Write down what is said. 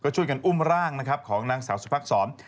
ช่วยกันอุ้มร่างของหน้าสาวสุภักดิ์สอง